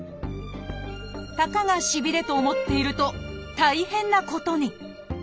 たかがしびれと思っていると大変なことに。